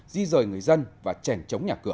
di rời người dân và chèn chống nhà cửa